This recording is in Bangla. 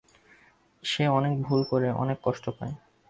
সে অনেক ভুল করে, অনেক কষ্ট পায়।